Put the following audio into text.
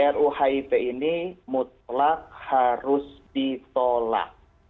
ruhip ini mutlak harus ditolak